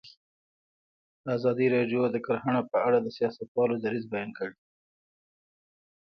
ازادي راډیو د کرهنه په اړه د سیاستوالو دریځ بیان کړی.